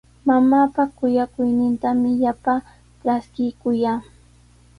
Mamaapa kuyakuynintami llapaa traskikuyaa.